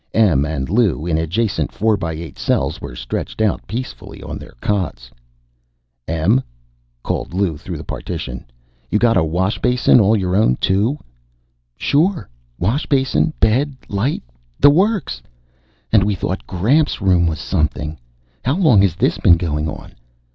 Em and Lou, in adjacent four by eight cells, were stretched out peacefully on their cots. "Em," called Lou through the partition, "you got a washbasin all your own, too?" "Sure. Washbasin, bed, light the works. And we thought Gramps' room was something. How long has this been going on?"